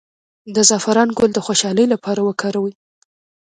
د زعفران ګل د خوشحالۍ لپاره وکاروئ